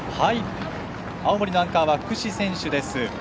青森のアンカーは福士選手です。